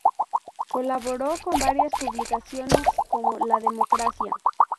Colaboró con varias publicaciones, como "La Democracia".